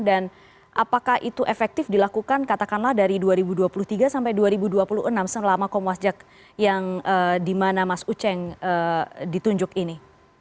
dan apakah itu efektif dilakukan katakanlah dari dua ribu dua puluh tiga sampai dua ribu dua puluh enam selama komwasjak yang dimana mas ucheng ditunjuk ini